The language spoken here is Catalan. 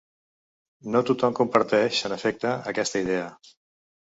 No tothom comparteix, en efecte, aquesta idea.